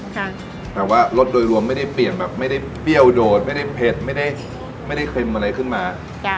แต่ว่ารสโดยรวมไม่ได้เปลี่ยนแบบไม่ได้เปรี้ยวโดดไม่ได้เผ็ดไม่ได้ไม่ได้เค็มอะไรขึ้นมาจ้ะ